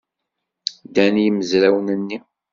Ddan yimezrawen-nni.